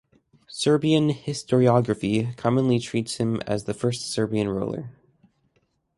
Serbian historiography commonly treats him as the first Serbian ruler.